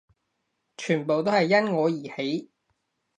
全部都係因我而起